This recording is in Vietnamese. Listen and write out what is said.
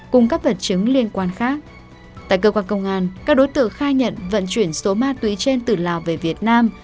cùng các vật chứng liên quan khác tại cơ quan công an các đối tượng khai nhận vận chuyển số ma túy trên từ lào về việt nam